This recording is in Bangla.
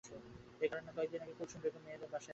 এ কারণে কয়েক দিন আগে কুলসুম বেগম মেয়ের বাসায় আসেন।